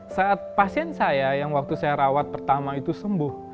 saat pasien saya yang waktu saya rawat pertama itu sembuh